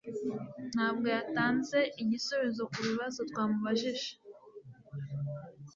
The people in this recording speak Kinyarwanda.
Ntabwo yatanze igisubizo kubibazo twamubajije.